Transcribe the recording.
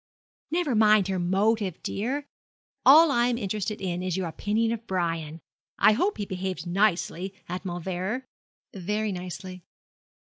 'Never mind her motive, dear. All I am interested in is your opinion of Brian. I hope he behaved nicely at Mauleverer.' 'Very nicely.'